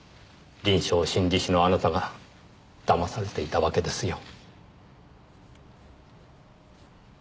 臨床心理士のあなたがだまされていたわけですよ。